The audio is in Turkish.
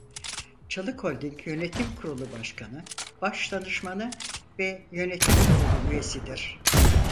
Çalık Holding Yönetim Kurulu Başkanı Başdanışmanı ve yönetim kurulu üyesidir.